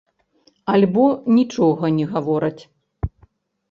Альбо нічога не гавораць.